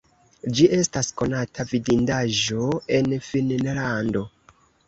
Ĝi estas konata vidindaĵo en Finnlando.